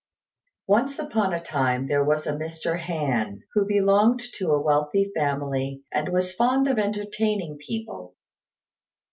Once upon a time there was a Mr. Han, who belonged to a wealthy family, and was fond of entertaining people.